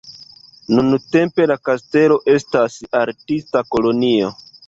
Nuntempe la kastelo estas artista kolonio.